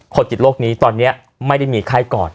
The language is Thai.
ติดโรคนี้ตอนนี้ไม่ได้มีไข้ก่อน